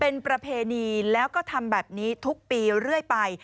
เป็นประเพณีแล้วก็ทำแบบนี้ทุกปีเรื่อยไป